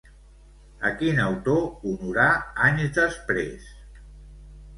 A quin autor honorà anys després?